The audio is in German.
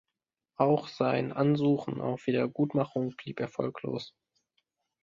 Auch sein Ansuchen auf Wiedergutmachung blieb erfolglos.